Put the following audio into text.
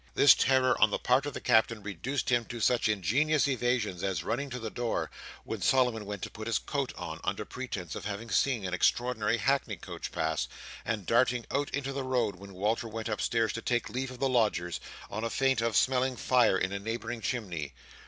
This terror on the part of the Captain, reduced him to such ingenious evasions as running to the door, when Solomon went to put his coat on, under pretence of having seen an extraordinary hackney coach pass: and darting out into the road when Walter went upstairs to take leave of the lodgers, on a feint of smelling fire in a neighbouring chimney.